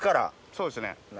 そうですね。